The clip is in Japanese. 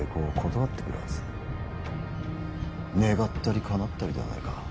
願ったりかなったりではないか。